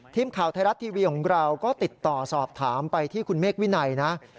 ทีมข่าวไทยรัฐทีวีของเราก็ติดต่อสอบถามไปที่คุณเมฆวินัยนะ